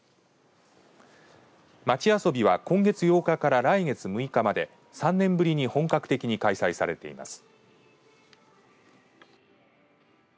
マチ★アソビは今月８日から来月６日まで３年ぶりに本格的に開催されています。